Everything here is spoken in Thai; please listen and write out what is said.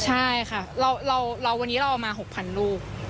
ใช่ค่ะวันนี้เราเอามา๖๐๐ลูก